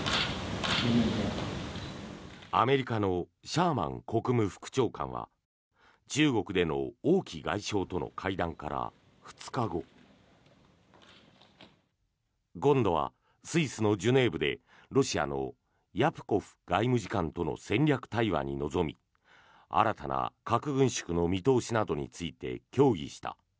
アメリカのシャーマン国務副長官は中国での王毅外相との会談から２日後今度はスイスのジュネーブでロシアのリャプコフ外務次官との戦略対話に臨み新たな核軍縮の見通しなどについて協議した。